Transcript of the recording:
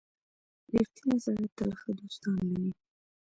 • رښتینی سړی تل ښه دوستان لري.